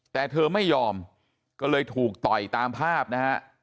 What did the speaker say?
แต่เธอไม่ยอมก็เลยถูกต่อยตามภาพนะฮะ